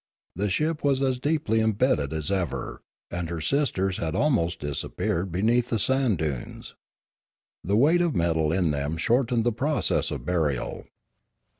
The ship was as deeply embedded as ever; and her sisters had almost disappeared beneath the sand dunes. The weight of metal in them shortened the process of burial.